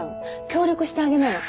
協力してあげなよ。